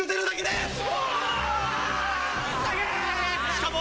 しかも。